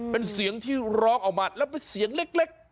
เป็นเสียงที่ร้องออกมาแล้วเป็นเสียงเล็ก